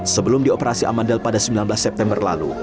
sebelum dioperasi amandal pada sembilan belas september lalu